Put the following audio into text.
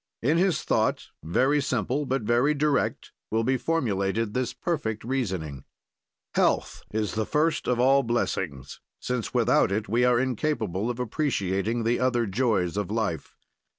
In his thought, very simple, but very direct, will be formulated this perfect reasoning: Health is the first of all blessings, since without it we are incapable of appreciating the other joys of life.